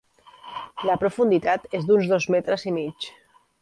La profunditat és d'uns dos metres i mig.